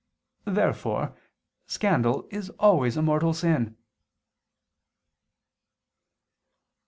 Therefore scandal is always a mortal sin.